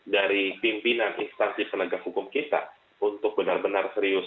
dari pimpinan instansi penegak hukum kita untuk benar benar serius